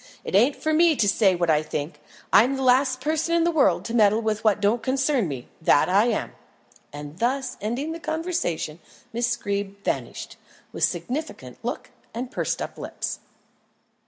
"It ain't for me to say what I think. I am the last person in the world to meddle with what don't concern me that I am." And thus ending the conversation, Miss Greeb vanished, with significant look and pursed up lips.